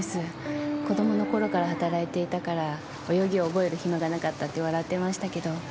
子供のころから働いていたから泳ぎを覚える暇がなかったって笑ってましたけど。